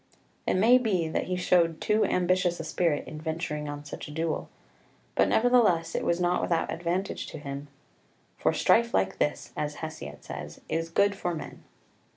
It may be that he showed too ambitious a spirit in venturing on such a duel; but nevertheless it was not without advantage to him: "for strife like this," as Hesiod says, "is good for men."